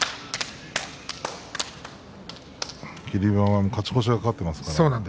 霧馬山も勝ち越しが懸かっていますから。